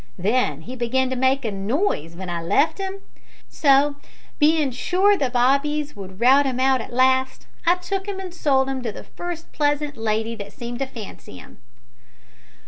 Then he began to make a noise v'en I left him; so, bein' sure the bobbies would rout 'im out at last, I took 'im an' sold 'im to the first pleasant lady that seemed to fancy 'im."